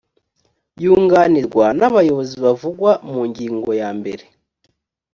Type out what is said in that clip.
yunganirwa n abayobozi bavugwa mu ngingo yambere